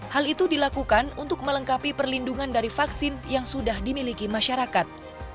hal itu dilakukan untuk melengkapi perlindungan dari vaksin yang sudah dimiliki masyarakat